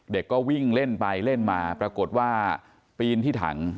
เด็กก็วิ่งเล่นไปเล่นมาปรากฏว่าปีนที่ถัง